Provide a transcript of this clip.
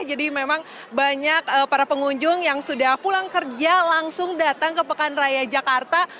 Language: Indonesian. jadi memang banyak para pengunjung yang sudah pulang kerja langsung datang ke pekan raya jakarta